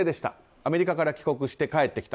アメリカから帰国して帰ってきた。